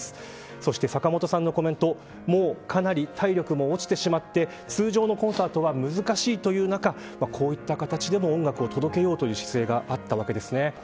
そして坂本さんのコメントもうかなり体力も落ちてしまって通常のコンサートは難しいという中こういった形でも音楽を届けようという姿勢があったわけです。